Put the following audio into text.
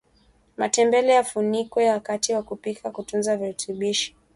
matembele yafunikwe wakati wa kupika kutunza virutubishi